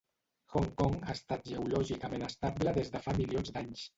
Hong Kong ha estat geològicament estable des de fa milions d'anys.